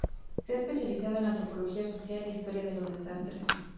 Se ha especializado en antropología social e historia de los desastres.